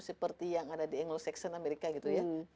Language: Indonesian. seperti yang ada di anglo saxon amerika gitu ya